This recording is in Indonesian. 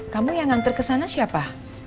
kamu yang ngantar kesana siapa